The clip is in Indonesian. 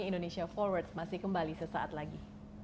indonesia forward masih kembali sesaat lagi